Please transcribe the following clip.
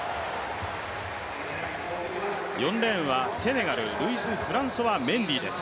４レーンはセネガル、ルイスフランソワ・メンディーです。